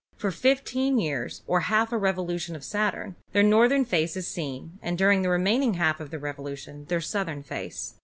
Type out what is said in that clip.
For fifteen years, or half a revolution of Sa turn, their northern face is seen and during the remaining half of the revolution their southern face.